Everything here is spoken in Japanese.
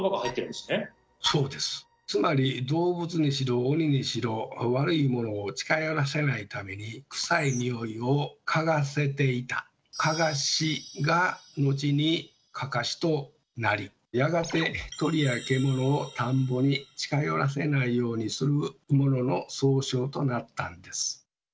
つまり動物にしろ鬼にしろ悪いものを近寄らせないためにクサいニオイをかがせていた「かがし」が後に「かかし」となりやがて鳥や獣を田んぼに近寄らせないようにする物の総称となったんです。